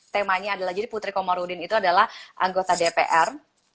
temanya adalah jadi putri komarudin itu adalah anggota dpr